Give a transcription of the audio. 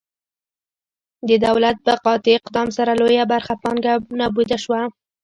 د دولت په قاطع اقدام سره لویه برخه پانګه نابوده شوه.